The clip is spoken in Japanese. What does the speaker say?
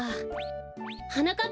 はなかっ